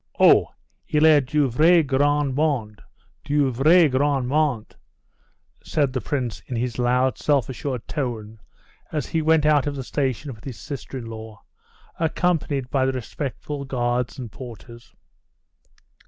"Oh, il est du vrai grand monde, du vrai grand monde," said the Prince in his loud, self assured tone as he went out of the station with his sister in law, accompanied by the respectful guards and porters.